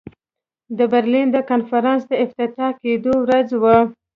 د برلین د کنفرانس د افتتاح کېدلو ورځ وه.